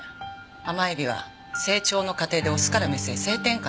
「甘エビは成長の過程でオスからメスへ性転換するの」